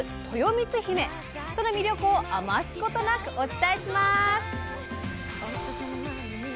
その魅力を余すことなくお伝えします！